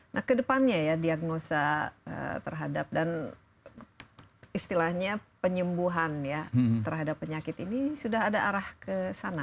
nah kedepannya ya diagnosa terhadap dan istilahnya penyembuhan ya terhadap penyakit ini sudah ada arah ke sana